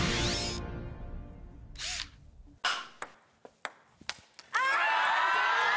あっ。